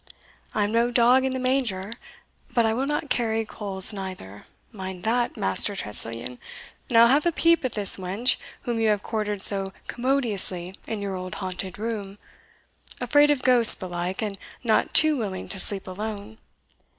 "I am no dog in the manger; but I will not carry coals neither mind that, Master Tressilian; and I will have a peep at this wench whom you have quartered so commodiously in your old haunted room afraid of ghosts, belike, and not too willing to sleep alone.